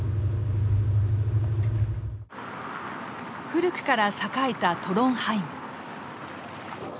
古くから栄えたトロンハイム。